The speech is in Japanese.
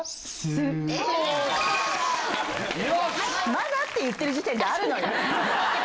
「まだ」って言ってる時点であるのよ。